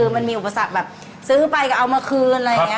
มันมีอุบัสสะกซื้อไปเอามาคืน